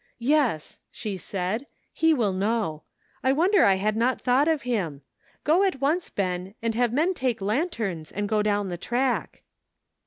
" Yes," she said, "he will know. I wonder I had not thought of him. Go at once, Ben, and have men take lanterns and go down the track."